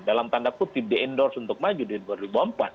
dalam tanda kutip di endorse untuk maju di dua ribu dua puluh empat